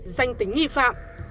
danh tính nghi phạm